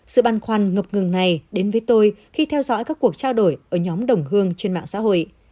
sự băn khoăn ngập ngừng này đến với tôi khi theo dõi các cuộc trao đổi ở nhóm đồng hương trên mạng xã hội